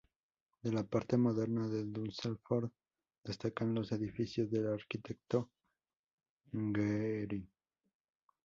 De la parte moderna de Düsseldorf destacan los edificios del arquitecto Gehry.